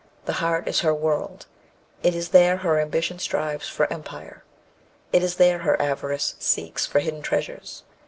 The heart is her world; it is there her ambition strives for empire; it is there her avarice seeks for hidden treasures.